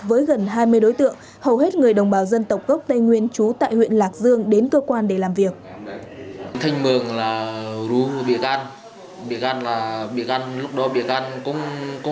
với gần hai mươi đối tượng hầu hết người đồng bào dân tộc gốc tây nguyên trú tại huyện lạc dương đến cơ quan để làm việc